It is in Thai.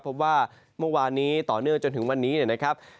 พบว่าเมื่อวานนี้ต่อเนื่องจนถึงวันนี้นะครับ